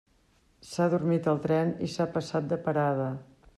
S'ha adormit al tren i s'ha passat de parada.